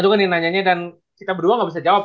juga nih nanyanya dan kita berdua gak bisa jawab